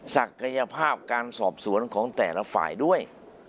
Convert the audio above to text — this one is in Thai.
ศักยภาพการสอบสวนของแต่ละฝ่ายด้วย